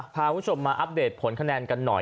พาคุณผู้ชมมาอัปเดตผลคะแนนกันหน่อย